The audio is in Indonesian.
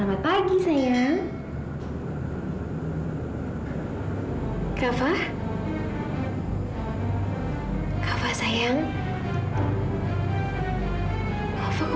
papa diam ya sayang